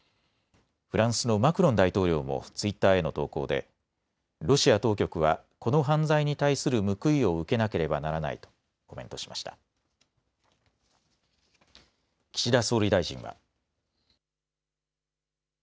フランスのマクロン大統領もツイッターへの投稿でロシア当局は、この犯罪に対する報いを受けなければならないとコメントしました。